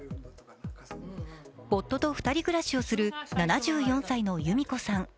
夫と２人暮らしをする７４歳の弓子さん。